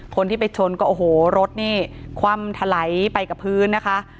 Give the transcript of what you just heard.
คนที่ไปชนก็โอ้โหรถนี่คว่ำถลายไปกับพื้นนะคะ